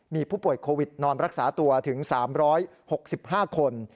มีผู้ป่วยโควิดนอนรักษาตัวถึง๓๖๕คน